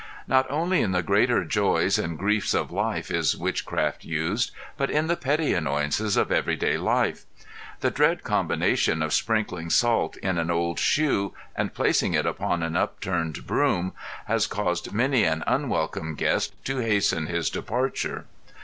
Not only in the greater joys and griefs of life is witchcraft used, but in the petty annoyances of everyday life. The dread combination of sprinkling salt in an old shoe and placing it upon an upturned broom, has caused many an unwelcome guest to hasten his departure.